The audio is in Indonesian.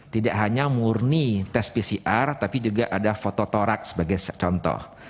tidak hanya murni tes pcr tapi juga ada fototorak sebagai contoh